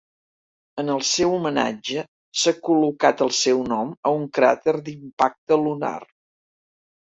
En el seu homenatge, s'ha col·locat el seu nom a un cràter d'impacte lunar.